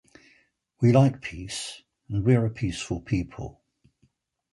We like peace and we are a peaceful people.